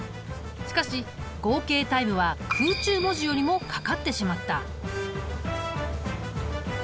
しかし合計タイムは空中文字よりもかかってしまった。